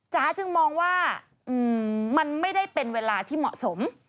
จ๋าจึงมองว่ามันไม่ได้เป็นเวลาที่เหมาะสม